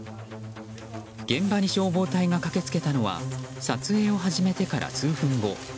現場に消防隊が駆け付けたのは撮影を始めてから数分後。